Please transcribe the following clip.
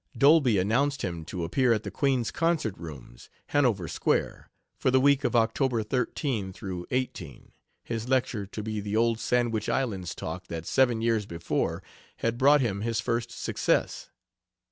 Dolby announced him to appear at the Queen's Concert Rooms, Hanover Square, for the week of October 13 18, his lecture to be the old Sandwich Islands talk that seven years before had brought him his first success.